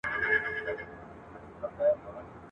هم پروا نه لري ..